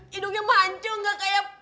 hidungnya mancung gak kayak